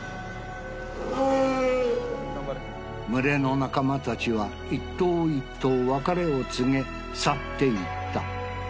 群れの仲間達は一頭一頭別れを告げ去っていった